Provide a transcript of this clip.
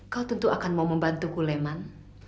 kau tentu akan mau membantuku leman